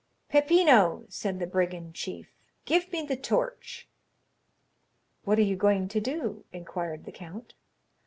"Peppino," said the brigand chief, "give me the torch." "What are you going to do?" inquired the count.